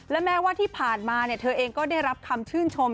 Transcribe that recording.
และแม้ว่าที่ผ่านมาเธอเองก็ได้รับคำชื่นชม